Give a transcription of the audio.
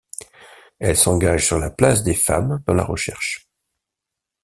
Elle s’engage sur la place des femmes dans la recherche.